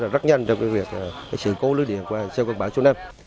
rất nhanh trong cái việc sự cố lưu điện qua cơ quan bão số năm